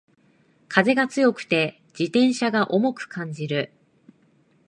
風が強くて自転車が重く感じる